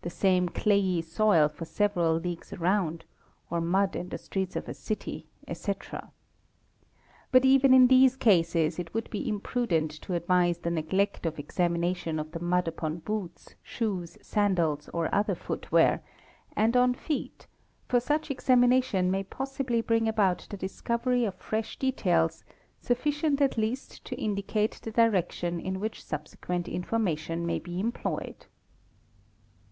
the 'same clayey soil for several leagues around, or mud in the streets of a city, etc. But even in these cases it would be imprudent to advise the neglect of examination of the mud upon boots, shoes, sandals, or other footwear, and on feet, for such examination may possibly bring about the discovery of fresh details sufficient at least to indicate the direction in which subsequent information may be employed.